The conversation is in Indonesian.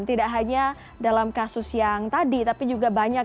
tidak hanya dalam kasus yang tadi tapi juga banyak